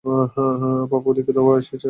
বাবা ওদিকে দাওয়ায় এসে বসেছেন।